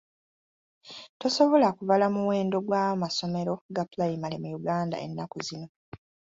Tosobola kubala muwendo gw'amasomero ga pulayimale mu Uganda ennaku zino.